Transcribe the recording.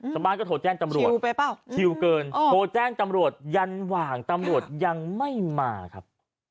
ชาวบ้านก็โทรแจ้งตำรวจชิวเกินโทรแจ้งตำรวจยันหว่างตำรวจยังไม่มาครับ